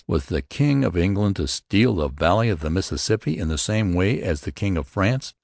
Was the king of England to steal the valley of the Mississippi in the same way as the king of France?